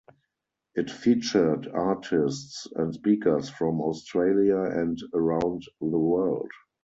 It featured artists and speakers from Australia and around the world.